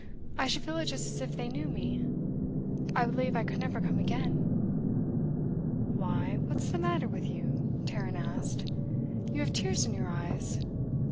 I should feel it just as if they knew me. I believe I could never come again.' 'Why, what's the matter with you?' Tarrant asked. 'You have tears in your eyes.